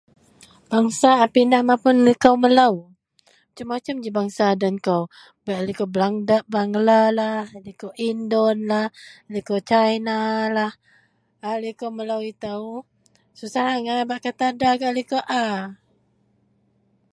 bangsa a pindah mapun liko melou, macam-macam ji bangsa den kou bei liko balanda bangla lah, liko indo lah, liko caina lah. A liko melou itou susah agai bak kata da gak liko a